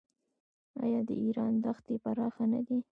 آیا د ایران دښتې پراخې نه دي؟